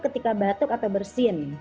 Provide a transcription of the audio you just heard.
ketika batuk atau bersin